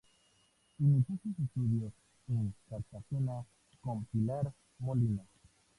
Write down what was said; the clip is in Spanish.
Inició sus estudios en Cartagena con Pilar Molina.